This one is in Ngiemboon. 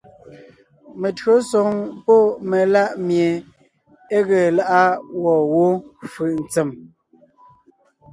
Meÿǒsoŋ pɔ́ melá’ mie é ge lá’a gwɔ̂ wó fʉʼ ntsèm :